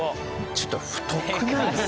ちょっと太くないですか？